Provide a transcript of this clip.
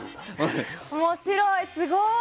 面白い、すごい。